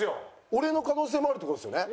俺の可能性もあるって事ですよね？